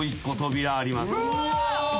うわ！